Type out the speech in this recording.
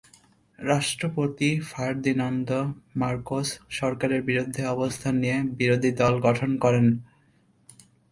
রাষ্ট্রপতি Ferdinand Marcos সরকারের বিরুদ্ধে অবস্থান নিয়ে বিরোধী দল গঠন করেন।